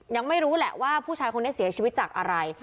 ยังไม่รู้แหละว่าผู้ชายคนนี้เสียชีวิตจากอะไร